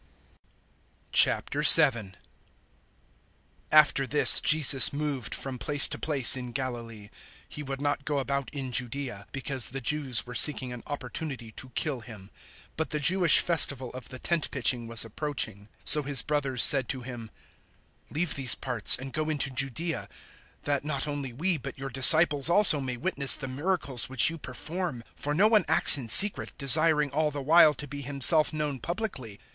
007:001 After this Jesus moved from place to place in Galilee. He would not go about in Judaea, because the Jews were seeking an opportunity to kill Him. 007:002 But the Jewish Festival of the Tent Pitching was approaching. 007:003 So His brothers said to Him, "Leave these parts and go into Judaea, that not only we but your disciples also may witness the miracles which you perform. 007:004 For no one acts in secret, desiring all the while to be himself known publicly.